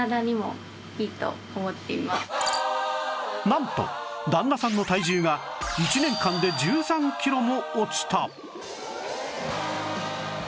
なんと旦那さんの体重が１年間で１３キロも落ちた